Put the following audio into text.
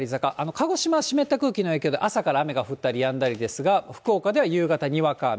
鹿児島は湿った空気の影響で、朝から雨が降ったりやんだりですが、福岡では夕方、にわか雨。